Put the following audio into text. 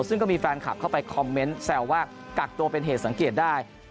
ซึ่งก็มีแฟนคลับเข้าไปคอมเมนต์แซวว่ากักตัวเป็นเหตุสังเกตได้